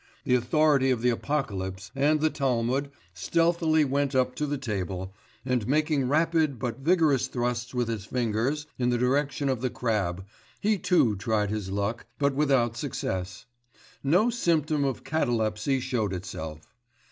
The authority on the Apocalypse and the Talmud stealthily went up to the table, and making rapid but vigorous thrusts with his fingers in the direction of the crab, he too tried his luck, but without success; no symptom of catalepsy showed itself.